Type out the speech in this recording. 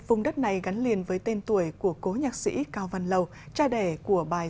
vùng đất này gắn liền với tên tuổi của cố nhạc sĩ cao văn lầu cha đẻ của bài